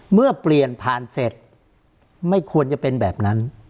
เมื่อเปลี่ยนผ่านเสร็จไม่ควรจะเป็นแบบนั้น